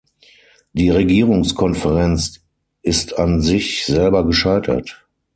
Die Regierungskonferenz ist an sich selber gescheitert.